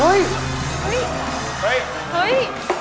ว๊าย